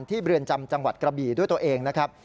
เรือนจำจังหวัดกระบี่ด้วยตัวเองนะครับ